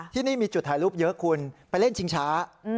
ที่นี่มีจุดถ่ายรูปเยอะคุณไปเล่นชิงช้า